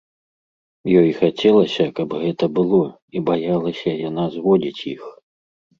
Ёй хацелася, каб гэта было, і баялася яна зводзіць іх.